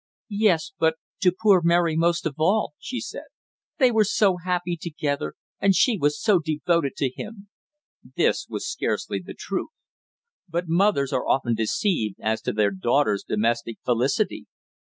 "Yes, but to poor Mary most of all," she said. "They were so happy together; and she was so devoted to him." This was scarcely the truth; but mothers are often deceived as to their daughters' domestic felicity.